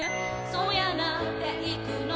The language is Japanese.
「そやなぁ・・」って行くの？